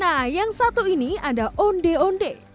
nah yang satu ini ada onde onde